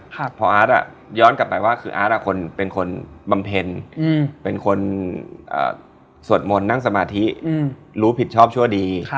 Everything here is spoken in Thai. พออาร์ตย้อนกลับไปว่าคืออาร์ตเป็นคนบำเพ็ญเป็นคนสวดมนต์นั่งสมาธิรู้ผิดชอบชั่วดี